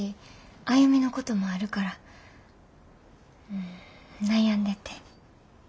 歩のこともあるから悩んでて。